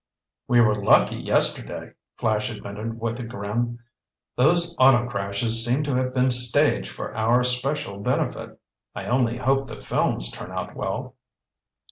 "We were lucky yesterday," Flash admitted with a grin. "Those auto crashes seemed to have been staged for our special benefit. I only hope the films turn out well."